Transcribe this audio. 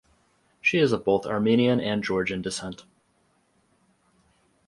She is of both Armenian and Georgian descent.